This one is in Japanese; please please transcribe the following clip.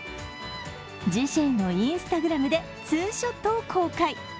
自身のＩｎｓｔａｇｒａｍでツーショットを公開。